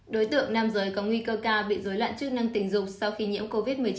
đối tượng nam giới có nguy cơ cao bị dối loạn chức năng tình dục sau khi nhiễm covid một mươi chín